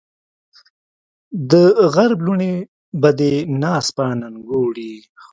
دغرب لوڼې به دې ناز په اننګو وړي